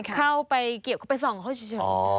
เข้าไปเกี่ยวก็ไปส่องเขาเฉย